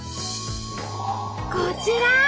こちら！